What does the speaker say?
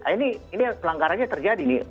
ini pelanggarannya terjadi nih